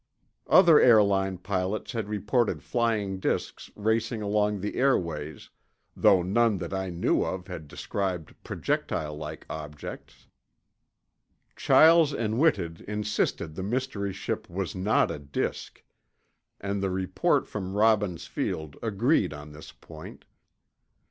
Other airline pilots had reported flying disks racing along the airways, though none that I knew of had described projectile like objects. Chiles and Whitted insisted the mystery ship was not a disk, and the report from Robbins Field agreed on this point.